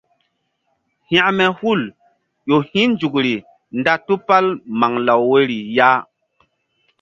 Hekme hul ƴo hi̧ nzukri nda tupal maŋlaw woyri ya.